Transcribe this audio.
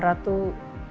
bu sarah tuh